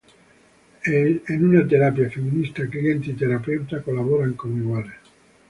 En una terapia feminista cliente y terapeuta colaboran como iguales.